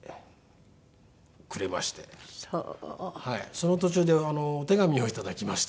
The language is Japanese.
その途中でお手紙をいただきまして。